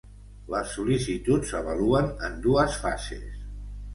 Les sol·licituds s'avaluen en dues fases.